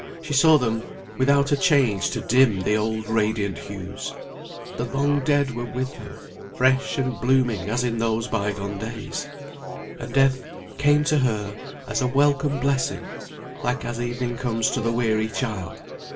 she saw them without a change to dim the old radiant hues. The long dead were with her, fresh and blooming as in those bygone days. And death came to her as a welcome blessing, like as evening comes to the weary child.